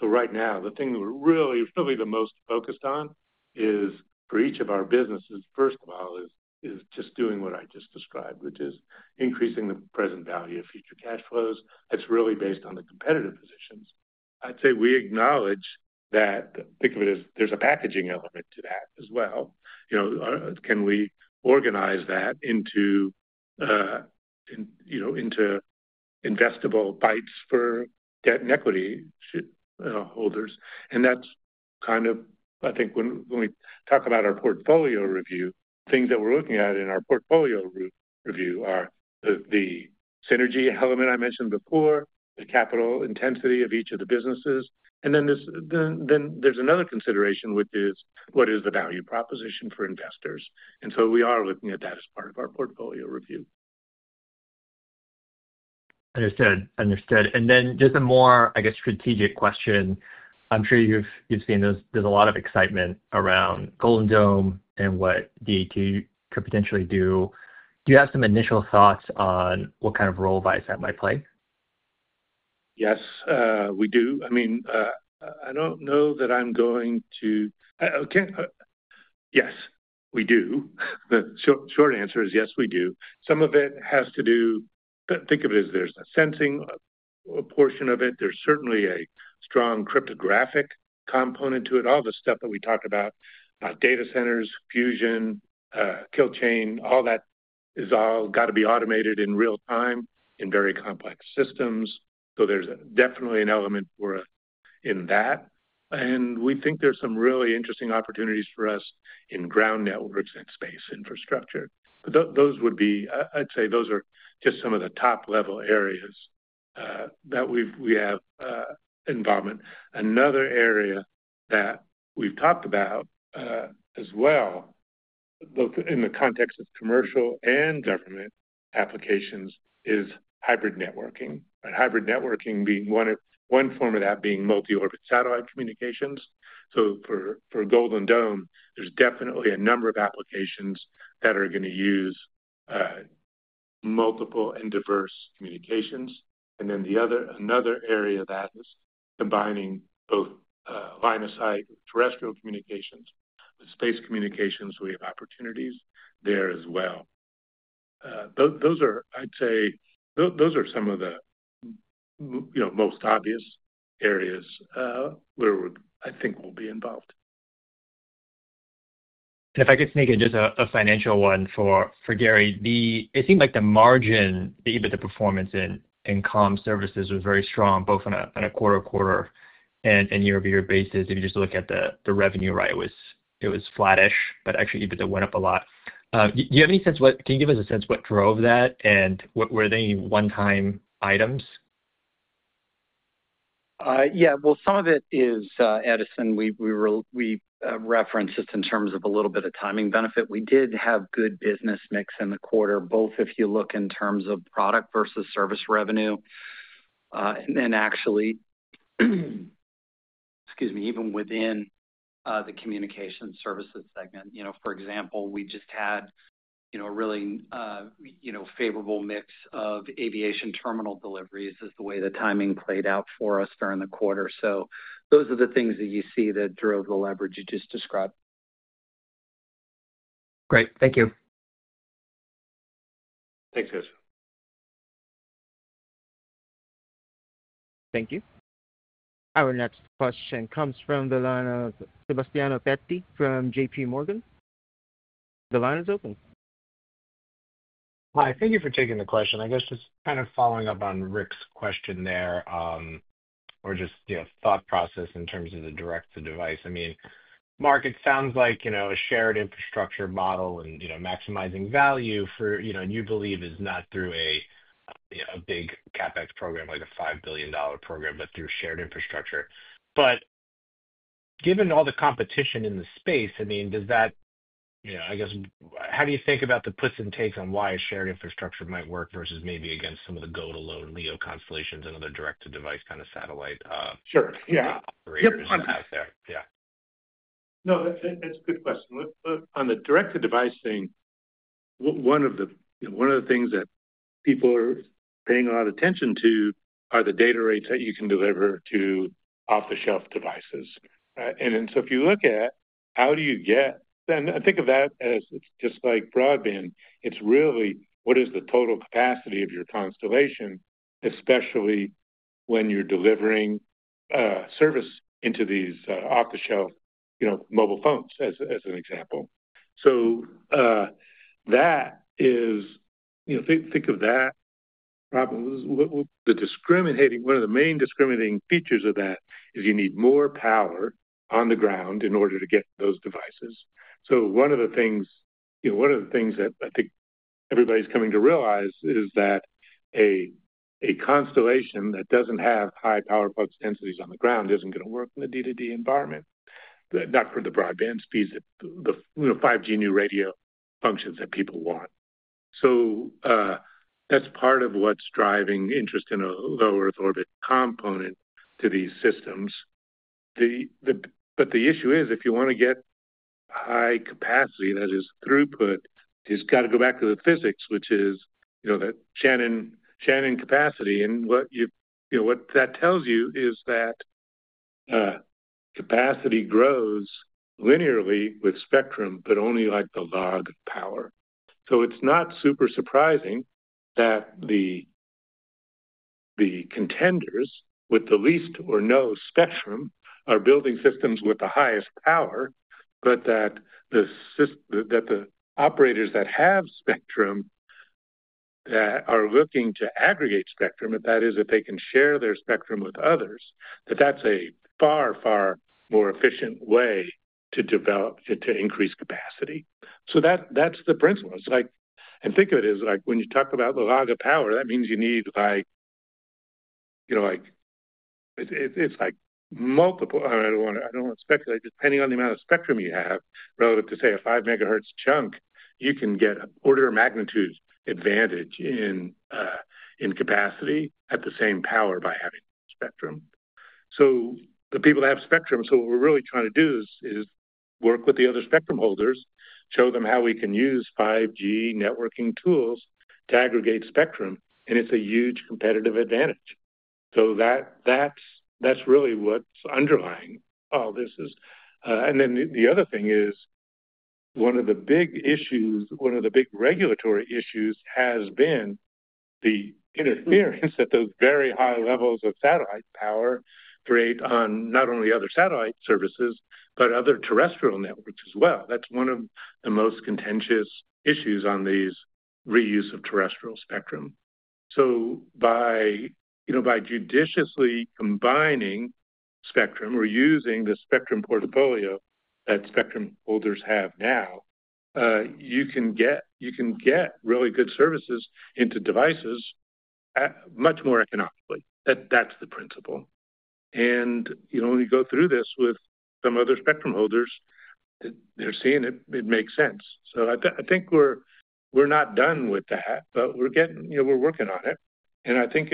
Right now, the thing that we're really the most focused on is for each of our businesses, first of all, just doing what I just described, which is increasing the present value of future cash flows. It's really based on the competitive positions. We acknowledge that. Think of it as there's a packaging element to that as well. Can we organize that into investable bites for debt and equity holders? That's kind of, when we talk about our portfolio review, things that we're looking at in our portfolio review are the synergy element I mentioned before, the capital intensity of each of the businesses. Then there's another consideration, which is what is the value proposition for investors. We are looking at that as part of our portfolio review. Understood. Just a more, I guess, strategic question. I'm sure you've seen those. There's a lot of excitement around Golden Dome and what D2D could potentially do. Do you have some initial thoughts on what kind of role Viasat might play? Yes, we do. I mean, I don't know that I'm going to, yes, we do. The short answer is yes, we do. Some of it has to do, but think of it as there's a sensing portion of it. There's certainly a strong cryptographic component to it. All the stuff that we talked about, data centers, fusion, kill chain, all that has all got to be automated in real time in very complex systems. There's definitely an element for us in that. We think there's some really interesting opportunities for us in ground networks and space infrastructure. Those would be, I'd say those are just some of the top-level areas that we have involvement. Another area that we've talked about as well, both in the context of commercial and government applications, is hybrid networking. Hybrid networking being one form of that being multi-orbit satellite communications. For Golden Dome, there's definitely a number of applications that are going to use multiple and diverse communications. Another area of that is combining both line of sight terrestrial communications with space communications. We have opportunities there as well. Those are, I'd say, those are some of the most obvious areas where I think we'll be involved. If I could sneak in just a financial one for Gary, it seemed like the margin, the EBITDA performance in commercial aviation services was very strong, both on a quarter to quarter and year-over-year basis. If you just look at the revenue, right, it was flattish, but actually EBITDA went up a lot. Do you have any sense of what, can you give us a sense of what drove that and were there any one-time items? Some of it is Addison. We referenced this in terms of a little bit of timing benefit. We did have good business mix in the quarter, both if you look in terms of product versus service revenue. Actually, even within the communication services segment, for example, we just had a really favorable mix of aviation terminal deliveries as the way the timing played out for us during the quarter. Those are the things that you see that drove the leverage you just described. Great. Thank you. Thanks, guys. Thank you. Our next question comes from the line of Sebastiano Petti from JPMorgan. The line is open. Hi, thank you for taking the question. I guess just kind of following up on Rick's question there, or just, you know, thought process in terms of the direct-to-device. I mean, Mark, it sounds like, you know, a shared infrastructure model and, you know, maximizing value for, you know, you believe is not through a, you know, a big CapEx program like a $5 billion program, but through shared infrastructure. Given all the competition in the space, I mean, does that, you know, I guess, how do you think about the puts and takes on why a shared infrastructure might work versus maybe against some of the go-to-load and LEO constellations and other direct-to-device kind of satellite operators out there? Yeah. No, that's a good question. On the direct-to-device thing, one of the things that people are paying a lot of attention to are the data rates that you can deliver to off-the-shelf devices. If you look at how do you get, then I think of that as it's just like broadband. It's really, what is the total capacity of your constellation, especially when you're delivering service into these off-the-shelf, you know, mobile phones as an example. That is, you know, think of that problem. The discriminating, one of the main discriminating features of that is you need more power on the ground in order to get those devices. One of the things that I think everybody's coming to realize is that a constellation that doesn't have high power flux densities on the ground isn't going to work in the D2D environment, not for the broadband speeds, the 5G new radio functions that people want. That's part of what's driving interest in a low Earth orbit component to these systems. The issue is if you want to get high capacity, that is throughput, you've got to go back to the physics, which is, you know, the Shannon capacity. What you know, what that tells you is that capacity grows linearly with spectrum, but only like the log of power. It's not super surprising that the contenders with the least or no spectrum are building systems with the highest power, but the operators that have spectrum that are looking to aggregate spectrum, if that is, if they can share their spectrum with others, that's a far, far more efficient way to develop it to increase capacity. That's the principle. Think of it as like when you talk about the log of power, that means you need like, you know, like, it's like multiple, I don't want to speculate, depending on the amount of spectrum you have, relative to say a five megahertz chunk, you can get an order of magnitude advantage in capacity at the same power by having spectrum. The people that have spectrum, so what we're really trying to do is work with the other spectrum holders, show them how we can use 5G networking tools to aggregate spectrum, and it's a huge competitive advantage. That's really what's underlying all this is. One of the big issues, one of the big regulatory issues, has been the interference that those very high levels of satellite power create on not only other satellite services, but other terrestrial networks as well. That is one of the most contentious issues on these reuse of terrestrial spectrum. By judiciously combining spectrum or using the spectrum portfolio that spectrum holders have now, you can get really good services into devices much more economically. That is the principle. When you go through this with some other spectrum holders, they are seeing it, it makes sense. I think we are not done with that, but we are working on it. I think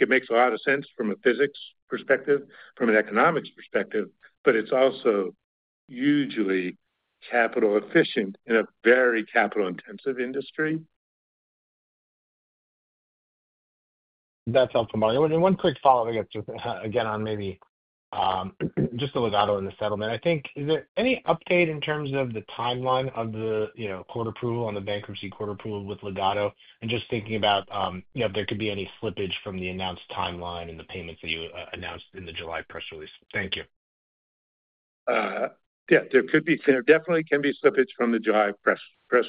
it makes a lot of sense from a physics perspective, from an economics perspective, and it is also hugely capital efficient in a very capital intensive industry. That sounds familiar. One quick follow-up, just again on maybe just the Legato and the settlement. Is there any update in terms of the timeline of the court approval on the bankruptcy court approval with Legato? Just thinking about if there could be any slippage from the announced timeline and the payments that you announced in the July press release. Thank you. Yeah, there definitely can be slippage from the July press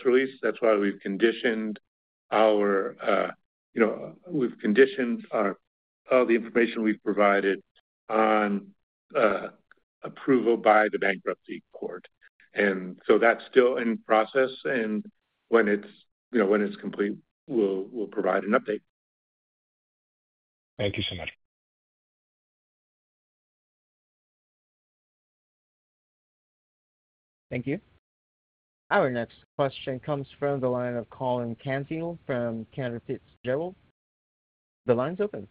release. That's why we've conditioned all the information we've provided on approval by the bankruptcy court. That's still in process. When it's complete, we'll provide an update. Thank you so much. Thank you. Our next question comes from the line of Colin Canfield from Cantor Fitzgerald & Co. The line's open.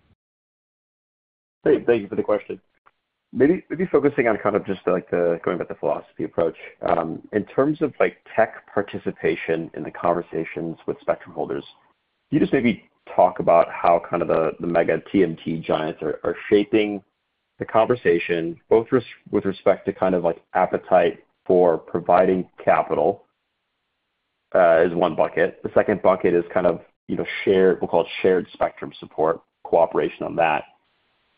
Thank you for the question. Maybe focusing on just the philosophy approach. In terms of tech participation in the conversations with spectrum holders, can you talk about how the mega TMT giants are shaping the conversation, both with respect to appetite for providing capital as one bucket? The second bucket is shared spectrum support, cooperation on that.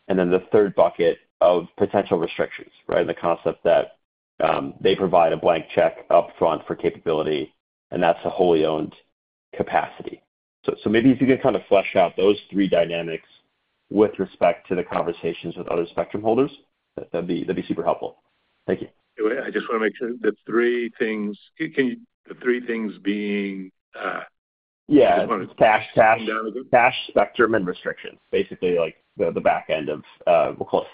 The third bucket is potential restrictions, right? The concept that they provide a blank check up front for capability, and that's a wholly owned capacity. If you could flesh out those three dynamics with respect to the conversations with other spectrum holders, that'd be super helpful. Thank you. I just want to make sure the three things, the three things being. Yeah, cash, cash, cash, spectrum, and restriction. Basically, like the back end of, we'll call it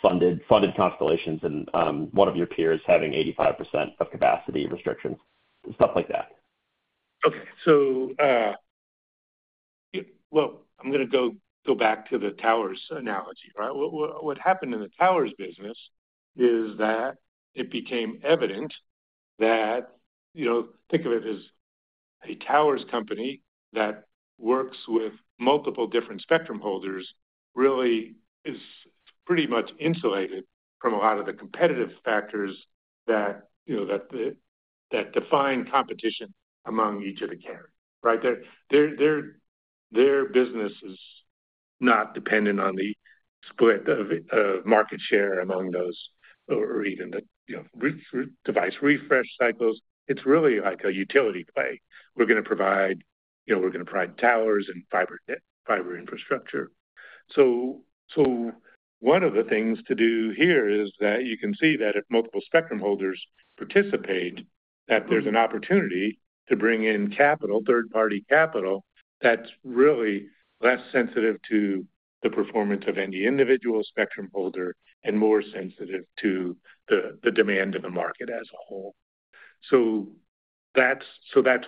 funded constellations and one of your peers having 85% of capacity restrictions, stuff like that. Okay, I'm going to go back to the towers analogy, right? What happened in the towers business is that it became evident that, you know, think of it as a towers company that works with multiple different spectrum holders really is pretty much insulated from a lot of the competitive factors that define competition among each of the carriers, right? Their business is not dependent on the split of market share among those or even the device refresh cycles. It's really like a utility play. We're going to provide towers and fiber infrastructure. One of the things to do here is that you can see that if multiple spectrum holders participate, there's an opportunity to bring in capital, third-party capital that's really less sensitive to the performance of any individual spectrum holder and more sensitive to the demand of the market as a whole. That's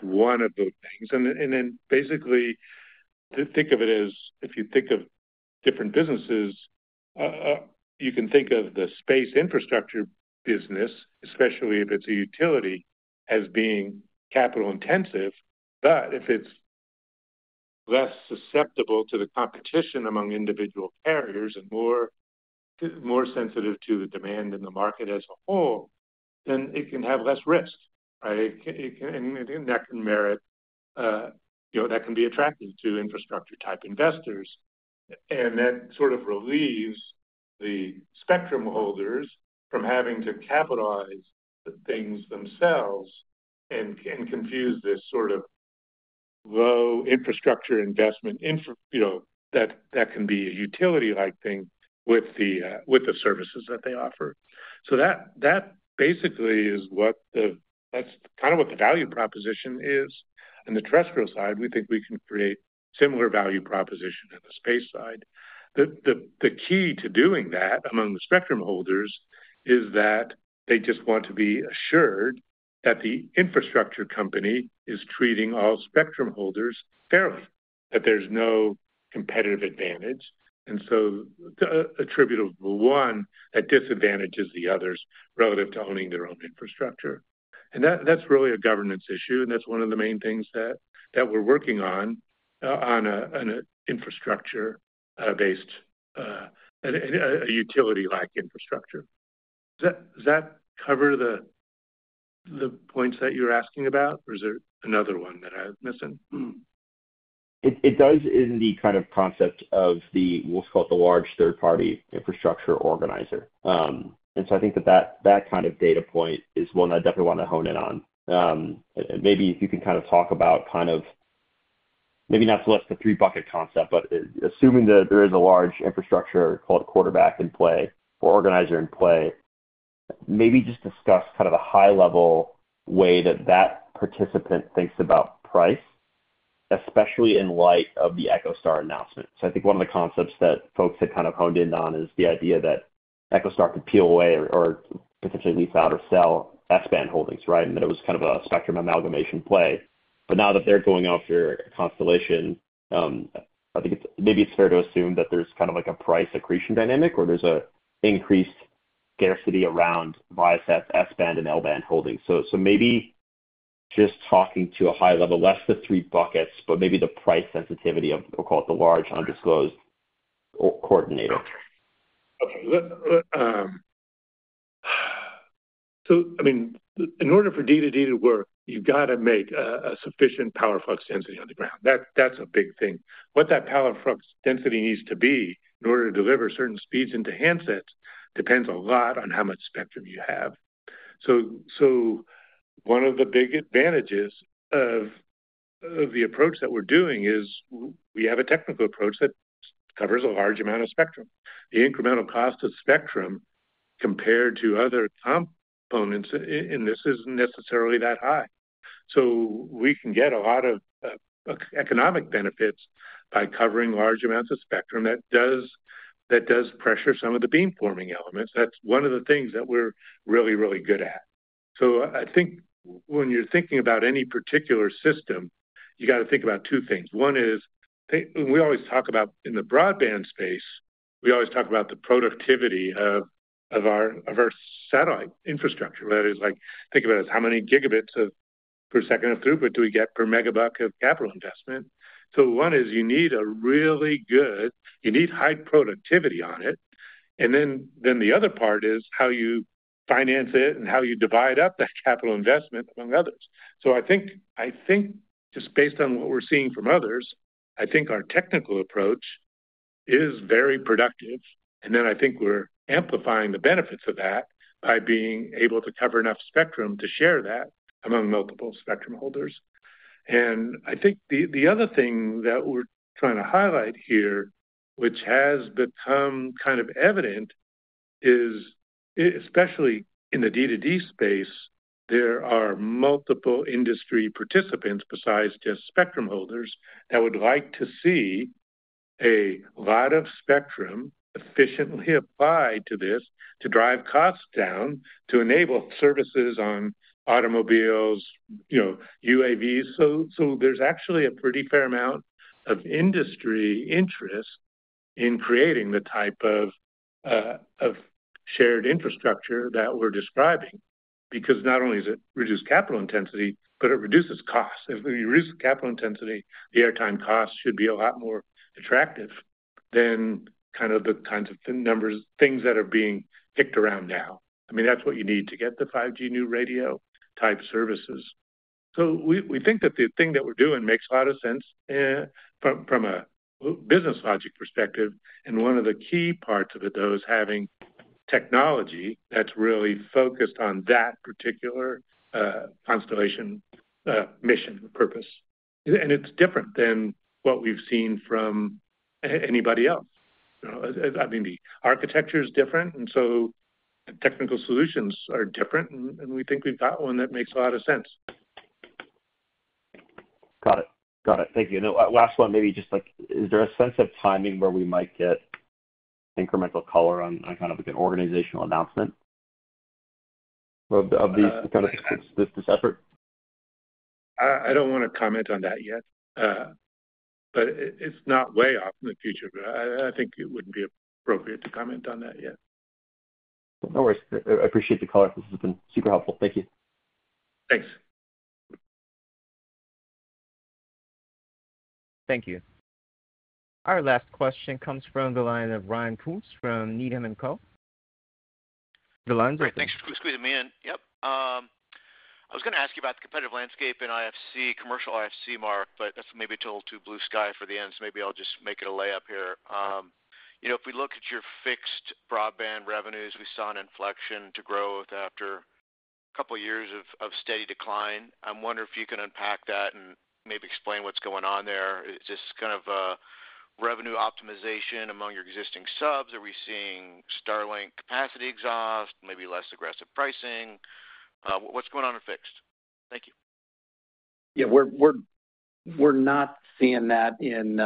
one of the things. Basically, think of it as if you think of different businesses, you can think of the space infrastructure business, especially if it's a utility, as being capital intensive. If it's less susceptible to the competition among individual carriers and more sensitive to the demand in the market as a whole, then it can have less risk, right? That can merit, you know, that can be attractive to infrastructure type investors. That sort of relieves the spectrum holders from having to capitalize the things themselves and confuse this sort of low infrastructure investment, you know, that can be a utility-like thing with the services that they offer. That basically is what the value proposition is. On the terrestrial side, we think we can create a similar value proposition in the space side. The key to doing that among the spectrum holders is that they just want to be assured that the infrastructure company is treating all spectrum holders fairly, that there's no competitive advantage, and so attributable one that disadvantages the others relative to owning their own infrastructure. That's really a governance issue. That's one of the main things that we're working on, on an infrastructure-based and a utility-like infrastructure. Does that cover the points that you're asking about, or is there another one that I'm missing? It does in the kind of concept of the, we'll just call it the large third-party infrastructure organizer. I think that that kind of data point is one I definitely want to hone in on. Maybe if you can kind of talk about maybe not so much the three-bucket concept, but assuming that there is a large infrastructure called quarterback in play or organizer in play, maybe just discuss the high-level way that that participant thinks about price, especially in light of the EchoStar announcement. I think one of the concepts that folks had kind of honed in on is the idea that EchoStar could peel away or potentially lease out or sell S-band holdings, right? It was kind of a spectrum amalgamation play. Now that they're going out for a constellation, I think it's maybe it's fair to assume that there's kind of like a price accretion dynamic or there's an increased scarcity around Viasat S-band and L-band holdings. Maybe just talking to a high level, less the three buckets, but maybe the price sensitivity of, I'll call it the large undisclosed coordinator. Okay. In order for D2D to work, you've got to make a sufficient power flux density on the ground. That's a big thing. What that power flux density needs to be in order to deliver certain speeds into handsets depends a lot on how much spectrum you have. One of the big advantages of the approach that we're doing is we have a technical approach that covers a large amount of spectrum. The incremental cost of spectrum compared to other components in this isn't necessarily that high. We can get a lot of economic benefits by covering large amounts of spectrum. That does pressure some of the beam forming elements. That's one of the things that we're really, really good at. When you're thinking about any particular system, you've got to think about two things. We always talk about in the broadband space, we always talk about the productivity of our satellite infrastructure. That is, think of it as how many gigabits per second of throughput do we get per megabucket of capital investment. One is you need high productivity on it. The other part is how you finance it and how you divide up that capital investment among others. Just based on what we're seeing from others, I think our technical approach is very productive. I think we're amplifying the benefits of that by being able to cover enough spectrum to share that among multiple spectrum holders. The other thing that we're trying to highlight here, which has become kind of evident, is especially in the D2D space, there are multiple industry participants besides just spectrum holders that would like to see a lot of spectrum efficiently applied to this to drive costs down, to enable services on automobiles, UAVs. There's actually a pretty fair amount of industry interest in creating the type of shared infrastructure that we're describing. Not only does it reduce capital intensity, but it reduces cost. If we reduce the capital intensity, the airtime cost should be a lot more attractive than the kinds of numbers, things that are being kicked around now. That's what you need to get the 5G new radio type services. We think that the thing that we're doing makes a lot of sense from a business logic perspective. One of the key parts of it though is having technology that's really focused on that particular constellation mission purpose. It's different than what we've seen from anybody else. The architecture is different, and the technical solutions are different, and we think we've got one that makes a lot of sense. Got it. Thank you. Is there a sense of timing where we might get incremental color on kind of like an organizational announcement of this effort? I don't want to comment on that yet, but it's not way off in the future. I think it wouldn't be appropriate to comment on that yet. No worries. I appreciate the color. This has been super helpful. Thank you. Thanks. Thank you. Our last question comes from the line of Ryan Poots from Needham & Co. The lines are open. Great. Thanks for squeezing me in. I was going to ask you about the competitive landscape in IFC, commercial IFC, Mark, but that's maybe a total too blue sky for the end, so maybe I'll just make it a layup here. You know, if we look at your fixed broadband revenues, we saw an inflection to growth after a couple of years of steady decline. I'm wondering if you can unpack that and maybe explain what's going on there. Is this kind of a revenue optimization among your existing subs? Are we seeing Starlink capacity exhaust, maybe less aggressive pricing? What's going on in fixed? Thank you. Yeah, we're not seeing that in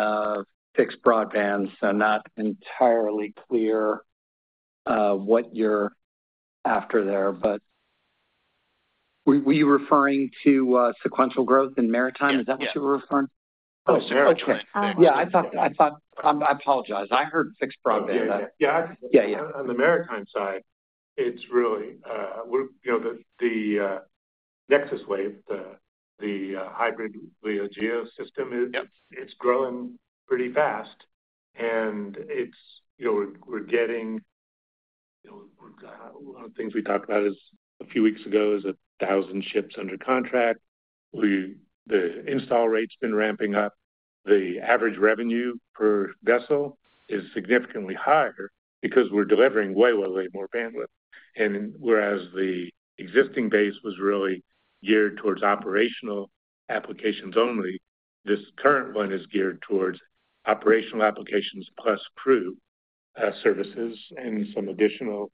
fixed broadband, so not entirely clear what you're after there. Were you referring to sequential growth in maritime? Is that what you were referring? Oh, sure. Yeah, I thought I apologize. I heard fixed broadband. On the maritime side, it's really the Nexus Wave, the hybrid LEO GEO system, it's growing pretty fast. We're getting a lot of things we talked about a few weeks ago, 1,000 ships under contract. The install rate's been ramping up. The average revenue per vessel is significantly higher because we're delivering way, way, way more bandwidth. Whereas the existing base was really geared towards operational applications only, this current one is geared towards operational applications plus crew services and some additional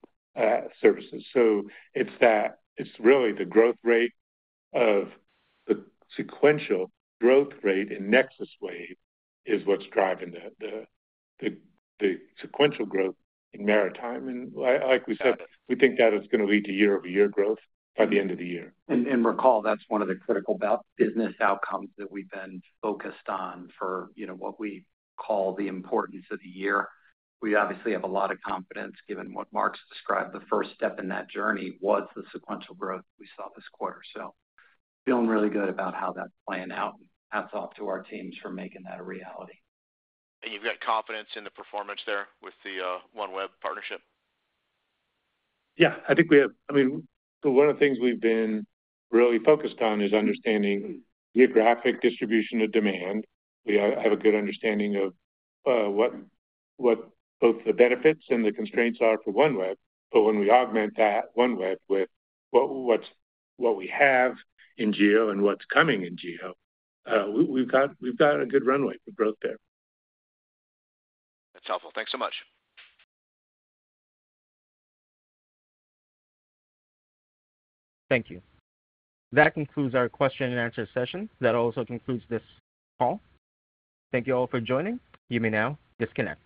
services. It's really the growth rate, the sequential growth rate in Nexus Wave, that's driving the sequential growth in maritime. Like we said, we think that it's going to lead to year-over-year growth by the end of the year. Recall, that's one of the critical business outcomes that we've been focused on for you. know what we call the importance of the year. We obviously have a lot of confidence given what Mark's described. The first step in that journey was the sequential growth we saw this quarter. Feeling really good about how that's playing out. Hats off to our teams for making that a reality. You have confidence in the performance there with the OneWeb partnership? Yeah, I think we have. I mean, one of the things we've been really focused on is understanding geographic distribution of demand. We have a good understanding of what both the benefits and the constraints are for OneWeb. When we augment that OneWeb with what we have in geo and what's coming in geo, we've got a good runway for growth there. That's helpful. Thanks so much. Thank you. That concludes our question and answer session. That also concludes this call. Thank you all for joining. You may now disconnect.